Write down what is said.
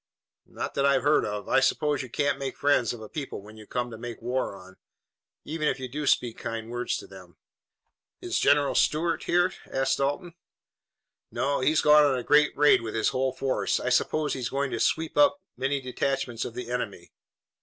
"Not that I've heard of. I suppose you can't make friends of a people whom you come to make war on, even if you do speak kind words to them." "Is General Stuart here?" asked Dalton. "No, he's gone on a great raid with his whole force. I suppose he's going to sweep up many detachments of the enemy."